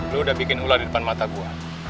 lo udah bikin ulah di depan mata gue